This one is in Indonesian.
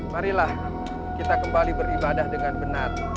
marilah kita kembali beribadah dengan benar